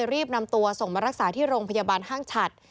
รักษาที่โรงพยาบาลห้างฉัด